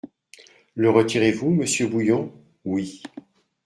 Le retirez-vous, monsieur Bouillon ? Oui.